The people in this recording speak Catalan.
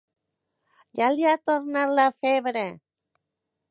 Ja li ha tornat la febre.